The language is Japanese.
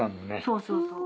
そうそうそう。